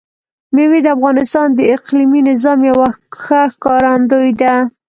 مېوې د افغانستان د اقلیمي نظام یوه ښه ښکارندوی ده.